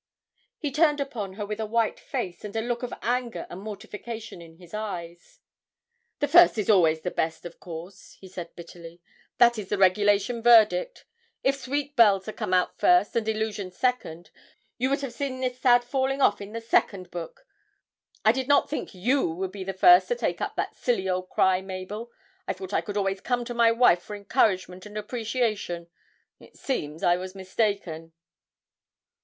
He turned upon her with a white face and a look of anger and mortification in his eyes. 'The first is always the best, of course,' he said bitterly; 'that is the regulation verdict. If "Sweet Bells" had come first, and "Illusion" second, you would have seen this sad falling off in the second book. I did not think you would be the first to take up that silly old cry, Mabel I thought I could always come to my wife for encouragement and appreciation; it seems I was mistaken!'